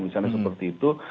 misalnya seperti itu